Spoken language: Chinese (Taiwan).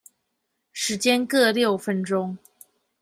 時間各六分鐘